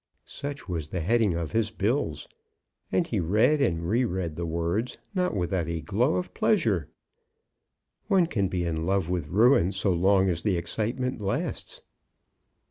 Such was the heading of his bills, and he read and re read the words, not without a glow of pleasure. One can be in love with ruin so long as the excitement lasts.